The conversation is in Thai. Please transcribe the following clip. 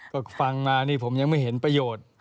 ก็ฟังมานี่ผมยังไม่เห็นประโยชน์